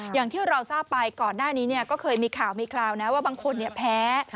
อย่างที่เราทราบไปก่อนหน้านี้ก็เคยมีข่าวมีคราวนะว่าบางคนแพ้